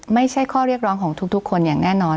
ไม่ใช่ข้อเรียกร้องของทุกคนอย่างแน่นอน